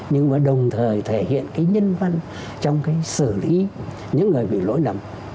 nhưng mà đồng thời thể hiện nhân văn trong xử lý những người bị lỗi nầm